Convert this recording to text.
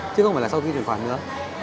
chứ không phải là sau khi chuyển khoản nữa